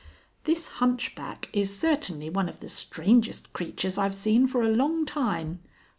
"This hunchback is certainly one of the strangest creatures I've seen for a long time.